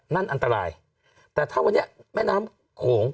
นั่นอันตรายแต่ถ้าวันนี้แม่น้ำโขง